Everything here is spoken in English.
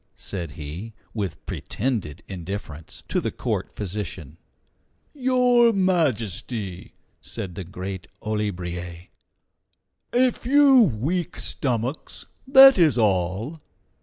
said he, with pretended indifference, to the court physician. "Your Majesty," said the great Olibriers, "a few weak stomachs; that is all."